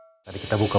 bold bebas dan bertuah